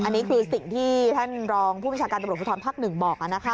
อันนี้คือสิ่งที่ท่านรองผู้บัญชาการตำรวจสุดท้อนภักดิ์หนึ่งบอกว่ะนะคะ